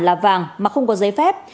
là vàng mà không có giấy phép